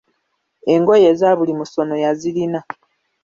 Engoye ezabuli musono yazirina.